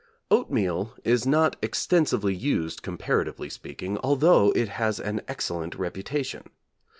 Oatmeal is not extensively used, comparatively speaking, although it has an excellent reputation.